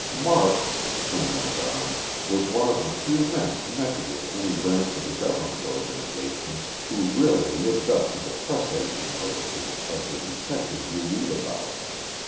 Marks [Quinn went on] was one of the few men connected with any branch of the government organizations who really lived up to the press agent notices of the detectives you read about.